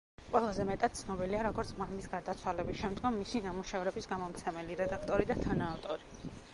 ყველაზე მეტად ცნობილია, როგორც მამის გარდაცვალების შემდგომ მისი ნამუშევრების გამომცემელი, რედაქტორი და თანაავტორი.